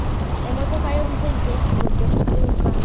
Emmotoka y'omusenyu teyasobodde kutuuka.